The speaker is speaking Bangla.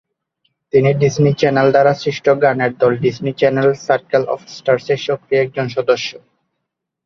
তিনি ডিজনি চ্যানেল দ্বারা সৃষ্ট গানের দল Disney channel circle of stars এর সক্রিয় একজন সদস্য।